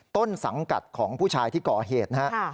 ต้นสังกัดของผู้ชายที่ก่อเหตุนะฮะ